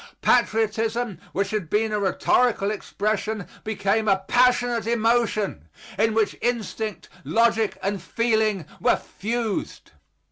Patriotism, which had been a rhetorical expression, became a passionate emotion, in which instinct, logic and feeling were fused.